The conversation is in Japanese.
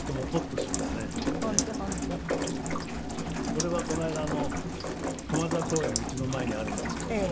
これはこの間駒沢公園が家の前にあるんですけども。